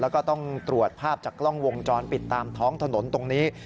แล้วก็ต้องตรวจภาพจากกล้องวงจรปิดตามท้องถนนตรงนี้